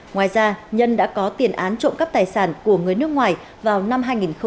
ngoài ra nhân đã có tiền án trộm cắp tài sản của người nước ngoài vào năm hai nghìn một mươi sáu